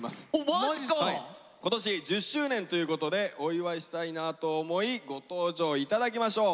マ今年１０周年ということでお祝いしたいなと思いご登場頂きましょう。